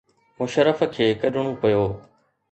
مشرف کي ڪڍڻو پيو.